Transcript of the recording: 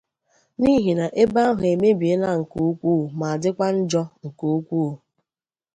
n'ihi na ebe ahụ emebiela nke ukwuu ma dịkwa njọ nke ukwuu